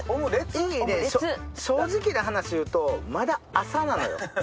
正直な話言うと、まだ朝なのよ。